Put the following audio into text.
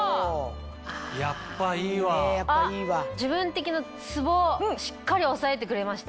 あっ自分的なツボしっかり押さえてくれました。